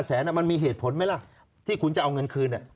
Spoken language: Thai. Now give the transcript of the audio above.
แสนมันมีเหตุผลไหมล่ะที่คุณจะเอาเงินคืน